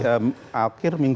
nah bagi yang